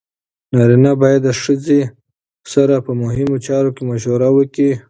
نارینه باید د ښځې سره په مهمو چارو مشوره وکړي.